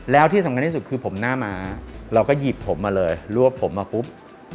แล้วที่สำคัญที่สุดคือผมหน้าม้าเราก็หยิบผมมาเลยรวบผมมาปุ๊บ